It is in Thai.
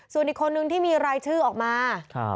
ส่วนอีกคนนึงที่มีรายชื่อออกมา